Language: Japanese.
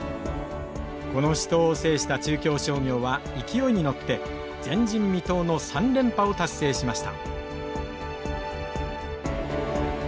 この死闘を制した中京商業は勢いに乗って前人未到の３連覇を達成しました。